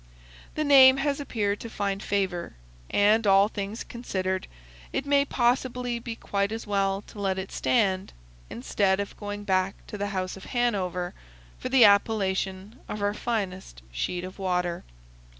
The name has appeared to find favor, and all things considered, it may possibly be quite as well to let it stand, instead of going back to the House of Hanover for the appellation of our finest sheet of water.